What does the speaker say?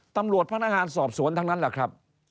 ตำรวจพนักงานสอบสวนทั้งนั้นแหละครับ